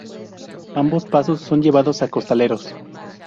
Ambos pasos son llevados a costaleros.